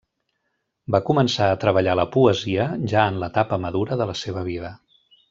Va començar a treballar la poesia ja en l'etapa madura de la seva vida.